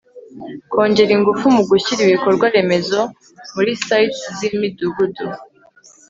kongera ingufu mu gushyira ibikorwa remezo muri sites z' imidugudu